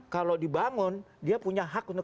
kalau dibangun dia punya hak untuk